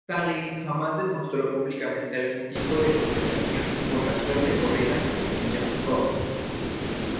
Stalin jamás demostró públicamente algún tipo de consideración por la suerte corrida por Yákov.